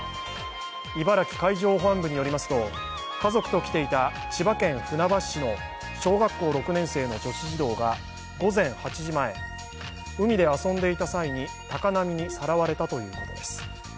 茨城海上保安部によりますと、家族と来ていた千葉県船橋市の小学校６年生の女子児童が海で遊んでいた際に高波にさらわれたということです。